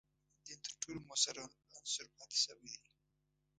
دین تر ټولو موثر عنصر پاتې شوی دی.